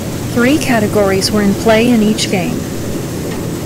Three categories were in play in each game.